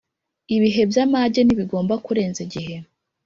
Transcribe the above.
Ibihe by’amage ntibigomba kurenza igihe